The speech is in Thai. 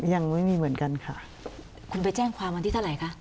ยังไม่มีเหมือนกันค่ะคุณไปแจ้งความวันที่เท่าไหร่คะ